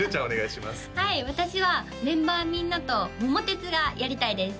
はい私はメンバーみんなと桃鉄がやりたいです